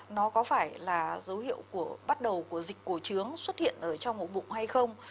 nó có phải là dấu hiệu bắt đầu của dịch cổ trướng xuất hiện trong bụng